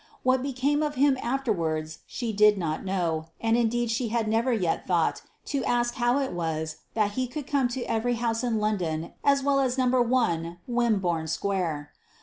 What became of him afterwards she did not know, and indeed she had never yet thought to ask how it was that he could come to every house in London as well as No. 1, Wimborne Square.